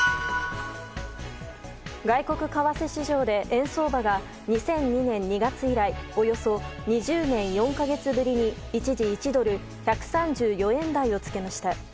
外国為替市場で円相場が２００２年２月以来およそ２０年４か月ぶりに一時１ドル＝１３４円台をつけました。